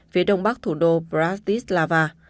phía đông bắc thủ đô bratislava